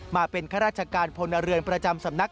มาเป็นข้าราชการพลเรือนประจำสำนัก